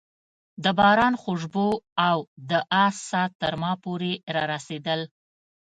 د باران خوشبو او د آس ساه تر ما پورې رارسېدل.